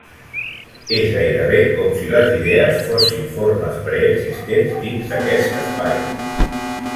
És gairebé com si les idees fossin formes preexistents dins d'aquest espai.